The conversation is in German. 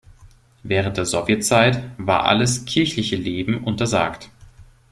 Während der Sowjetzeit war alles kirchliche Leben untersagt.